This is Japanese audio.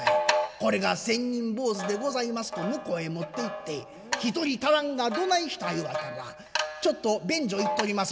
これが千人坊主でございますと向こうへ持っていって一人足らんがどないした言われたらちょっと便所行っとります